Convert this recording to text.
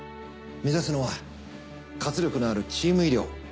目指すのは活力のあるチーム医療。